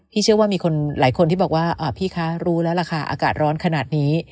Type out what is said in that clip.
เชื่อว่ามีคนหลายคนที่บอกว่าพี่คะรู้แล้วล่ะค่ะอากาศร้อนขนาดนี้